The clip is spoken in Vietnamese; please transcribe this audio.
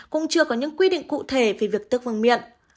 cũng chưa có những quy định cụ thể về việc tức vùng miệng